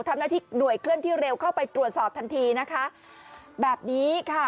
ทำหน้าที่หน่วยเคลื่อนที่เร็วเข้าไปตรวจสอบทันทีนะคะแบบนี้ค่ะ